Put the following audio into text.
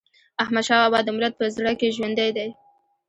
احمدشاه بابا د ملت په زړه کي ژوندی دی.